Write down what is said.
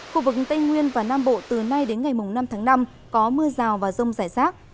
khu vực tây nguyên và nam bộ từ nay đến ngày năm tháng năm có mưa rào và rông rải rác